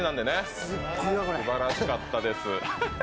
すばらしかったです。